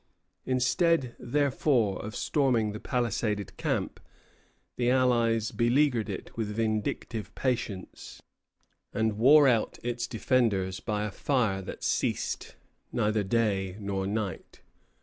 Instead, therefore, of storming the palisaded camp, the allies beleaguered it with vindictive patience, and wore out its defenders by a fire that ceased neither day nor night.